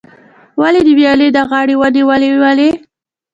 ولي، د ویالې د غاړې ونې ولې ولي؟